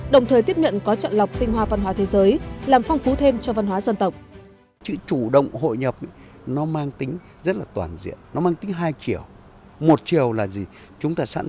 đồng thời tiếp nhận có trận lọc tinh hoa văn hóa thế giới làm phong phú thêm cho văn hóa dân tộc